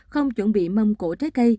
không chuẩn bị mâm cổ trái cây